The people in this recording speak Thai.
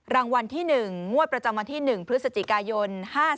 รางวัลที่๑งวดประจำวันที่๑พฤศจิกายน๕๔